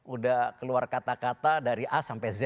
udah keluar kata kata dari a sampai z